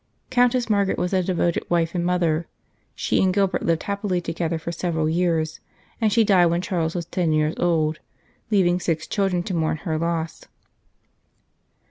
Countess Margaret was a devoted wife and mother ; she and Gilbert lived happily together for several years, and she died when Charles was ten years old, leaving six children to mourn her loss.